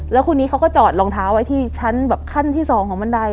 แล้วคนนี้เขาก็จอดรองเท้าไว้ที่ชั้นแบบขั้นที่๒ของบันได